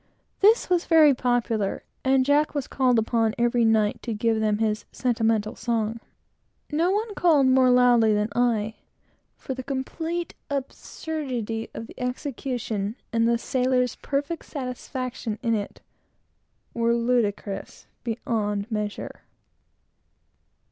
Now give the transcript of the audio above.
This was very popular, and Jack was called upon every night to give them his "sentimental song." No one called for it more loudly than I, for the complete absurdity of the execution, and the sailors' perfect satisfaction in it, were ludicrous beyond measure.